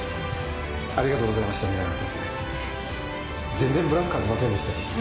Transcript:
全然ブランク感じませんでしたよ。